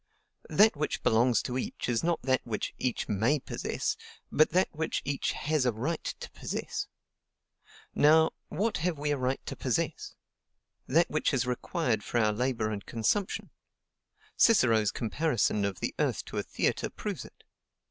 That which belongs to each is not that which each MAY possess, but that which each HAS A RIGHT to possess. Now, what have we a right to possess? That which is required for our labor and consumption; Cicero's comparison of the earth to a theatre proves it.